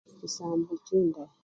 Chisambo chindayi.